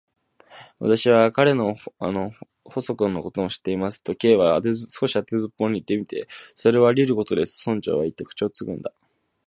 「私は彼の細君のことも知っています」と、Ｋ は少し当てずっぽうにいってみた。「それはありうることです」と、村長はいって、口をつぐんだ。